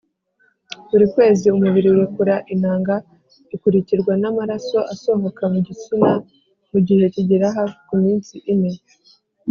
Buri kwezi umubiri urekura intanga ikurikirwa n’amaraso asohoka mu gitsina mu gihe kigera hafi ku minsi ine.